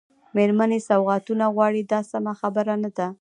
مېرمنې سوغاتونه غواړي دا سمه خبره نه ده.